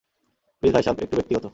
Please ভাইসাব, একটু ব্যক্তিগত।